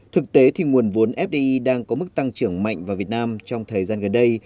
thực tế thì nguồn vốn fdi đang có mức tăng trưởng mạnh vào việt nam trong thời gian gần đây